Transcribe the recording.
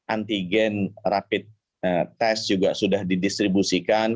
antigen rapid test juga sudah didistribusikan